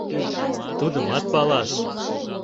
— Тудымат палаш.